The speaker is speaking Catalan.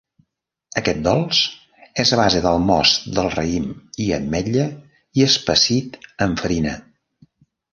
Aquest dolç és a base del most del raïm i ametlla i espessit amb farina.